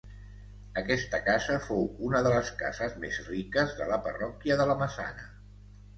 Aquesta casa fou una de les cases més riques de la parròquia de la Massana.